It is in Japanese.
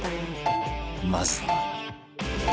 まずは